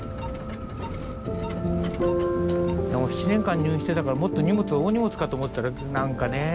７年間入院してたからもっと荷物大荷物かと思ったら何かねえ。